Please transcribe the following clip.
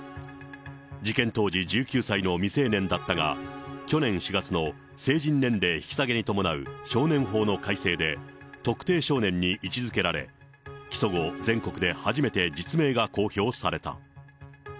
事件当時１９歳の未成年だったが、去年４月の成人年齢引き下げに伴う少年法の改正で、特定少年に位置づけられ、起訴後、全国で初めて実名が公表された。